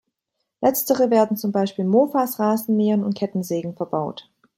Letztere werden zum Beispiel in Mofas, Rasenmähern und Kettensägen verbaut.